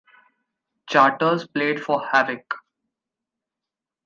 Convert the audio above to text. Charters played for Hawick.